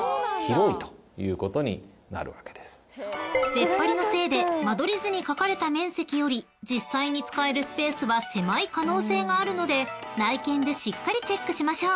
［出っ張りのせいで間取り図に書かれた面積より実際に使えるスペースは狭い可能性があるので内見でしっかりチェックしましょう］